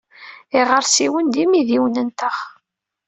Iɣersiwen d imidiwen-nteɣ.